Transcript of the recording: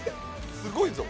すごいぞ。